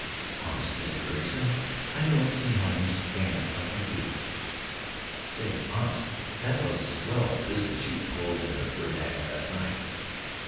Honest, Mr. Ericson, I don't see how you stand it like you do.... Say, honest, that was swell business you pulled in the third act last night....